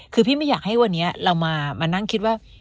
คือพี่ไม่อยากให้วันนี้เรามานั่งคิดว่า